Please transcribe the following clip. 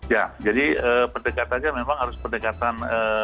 ya jadi pendekatannya memang harus pendekatan